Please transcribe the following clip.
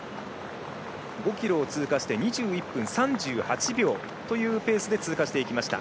５ｋｍを通過して２１分３８秒というペースで通過していきました。